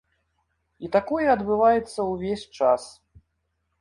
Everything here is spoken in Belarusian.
І такое адбываецца ўвесь час.